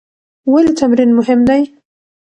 ولې تمرین مهم دی؟